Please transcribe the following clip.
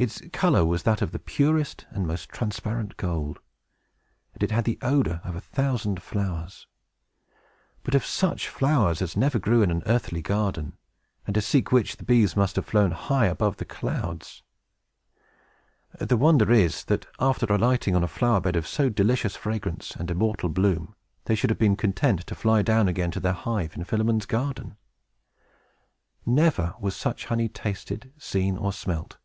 Its color was that of the purest and most transparent gold; and it had the odor of a thousand flowers; but of such flowers as never grew in an earthly garden, and to seek which the bees must have flown high above the clouds. The wonder is, that, after alighting on a flower bed of so delicious fragrance and immortal bloom, they should have been content to fly down again to their hive in Philemon's garden. Never was such honey tasted, seen, or smelt.